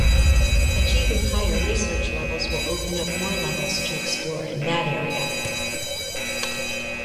Achieving higher research levels will open up more levels to explore in that area.